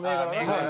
はい。